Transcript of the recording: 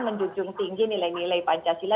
menjunjung tinggi nilai nilai pancasila